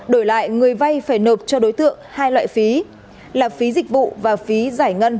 đổi lại người vay phải nộp cho đối tượng hai loại phí là phí dịch vụ và phí giải ngân